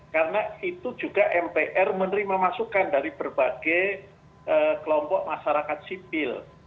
karena itu juga mpr menerima masukan dari berbagai kelompok masyarakat sipil